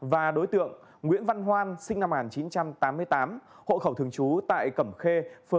và đối tượng nguyễn văn hoan sinh năm một nghìn chín trăm tám mươi tám hộ khẩu thường trú tại cẩm khê